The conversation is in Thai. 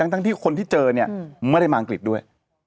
ทั้งที่คนที่เจอเนี่ยไม่ได้มาอังกฤษด้วย